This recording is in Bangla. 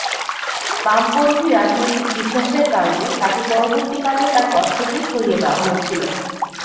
বামপন্থী রাজনৈতিক বিশ্বাসের কারণে তাঁকে পরবর্তীকালে তাঁর পদ থেকে সরিয়ে দেওয়া হয়েছিল।